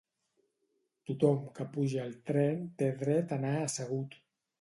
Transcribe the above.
Tothom que puja al tren té dret a anar assegut